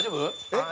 えっ？